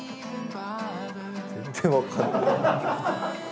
全然分からない。